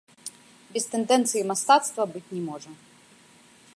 Без тэндэнцыі мастацтва быць не можа.